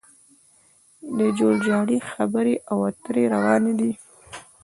د جوړجاړي خبرې او اترې روانې دي